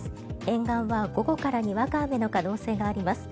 沿岸は午後からにわか雨の可能性があります。